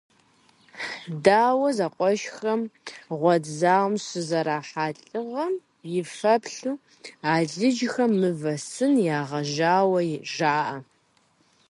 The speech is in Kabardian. Дау зэкъуэшхэм гъуэт зауэм щызэрахьа лӏыгъэм и фэеплъу алыджхэм мывэ сын ягъэжауэ жаӏэ.